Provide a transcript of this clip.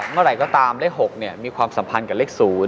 เมื่อไหร่ก็ตามเลข๖มีความสัมพันธ์กับเลข๐